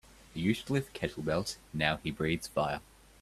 He used to lift kettlebells now he breathes fire.